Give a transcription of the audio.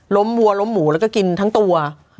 วัวล้มหมูแล้วก็กินทั้งตัว